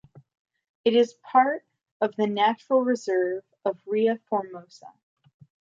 It is part of the Natural reserve of Ria Formosa.